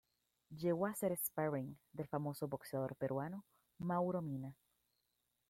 Llegó a ser "sparring", del famoso boxeador peruano, Mauro Mina.